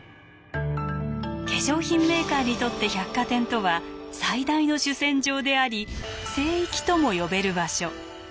化粧品メーカーにとって百貨店とは最大の主戦場であり聖域とも呼べる場所。